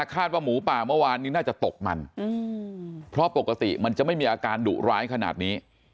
คาดว่าหมูป่าเมื่อวานนี้น่าจะตกมันเพราะปกติมันจะไม่มีอาการดุร้ายขนาดนี้